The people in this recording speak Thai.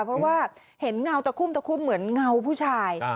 เพราะว่าเห็นเงาตะคุ่มตะคุ่มเหมือนเงาผู้ชาย